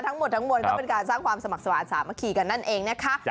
ทั้งหมดก็เป็นการสร้างความสมัครสวรรค์สามัคคีกันนั่นเอง